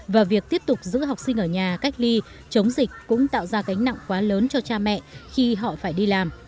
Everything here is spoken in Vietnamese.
và việc tiếp tục giữ học sinh ở nhà cách ly chống dịch cũng tạo ra cánh nặng quá lớn cho cha mẹ khi họ phải đi làm